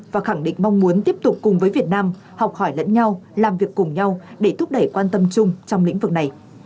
và khẳng định mong muốn tiếp tục cùng với việt nam học hỏi lẫn nhau làm việc cùng nhau để thúc đẩy quan tâm chung trong lĩnh vực này